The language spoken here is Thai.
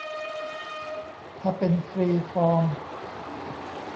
ถ้าเป็นฟรีฟอร์ม